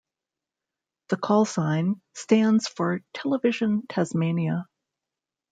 The callsign stands for "TeleVision Tasmania".